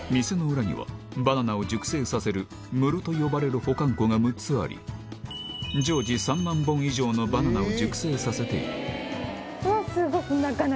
店の裏には、バナナを熟成させるムロと呼ばれる保管庫が６つあり、常時、３万本以上のバナナを熟成させている。